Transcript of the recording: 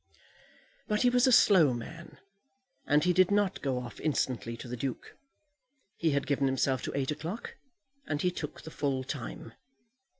But he was a slow man, and he did not go off instantly to the Duke. He had given himself to eight o'clock, and he took the full time.